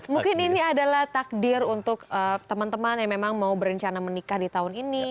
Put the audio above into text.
mungkin ini adalah takdir untuk teman teman yang memang mau berencana menikah di tahun ini